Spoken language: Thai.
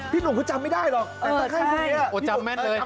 พี่หนุ่มก็จำไม่ได้หรอกจำแม่นเลย